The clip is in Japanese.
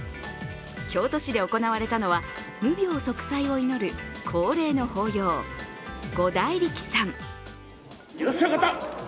京都市で行われたのは無病息災を祈る恒例の法要、五大力さん。